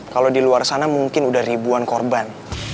kalo di luar sana mungkin udah ribuan korban